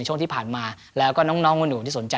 โค้ชรับของโค้ช